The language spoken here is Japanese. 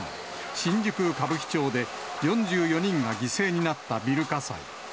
新宿・歌舞伎町で４４人が犠牲になったビル火災。